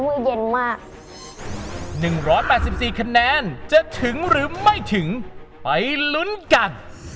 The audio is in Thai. สองร้อนแปดสิบสี่คะแนนจะถึงหรือไม่ถึงไปลุ้นกัน